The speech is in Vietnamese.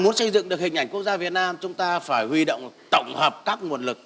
muốn xây dựng được hình ảnh quốc gia việt nam chúng ta phải huy động tổng hợp các nguồn lực